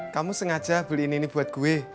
kamu sengaja beliin ini buat gue